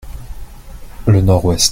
Le nord-ouest.